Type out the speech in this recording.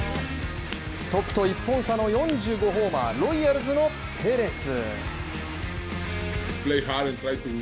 トップと１本差の４５ホーマーロイヤルズのペレス。